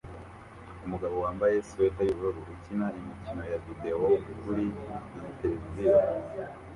Umugabo wambaye swater yubururu ukina imikino ya videwo kuri iyi tereviziyo